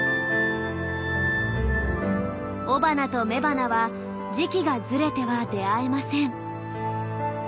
雄花と雌花は時期がずれては出会えません。